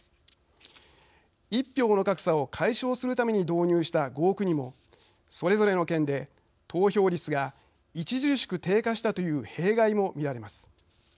１票の格差を解消するために導入した合区にもそれぞれの県で投票率が著しく低下したという弊害も見られます。